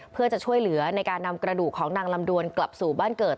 เพื่อจะช่วยเหลือในการนำกระดูกของนางลำดวนกลับสู่บ้านเกิด